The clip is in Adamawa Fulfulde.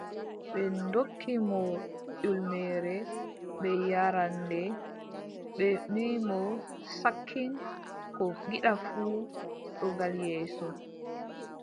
Ɓe ndokki mo ƴulmere, bee yaaraande, ɓe mbii mo: sakkin, ko ngiɗɗa fuu, ɗo gal yeeso.